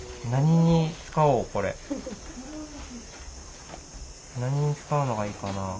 何に使うのがいいかな。